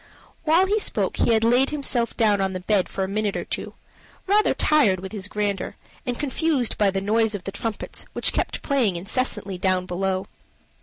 While he spoke he had laid himself down on the bed for a minute or two, rather tired with his grandeur, and confused by the noise of the trumpets which kept playing incessantly down below.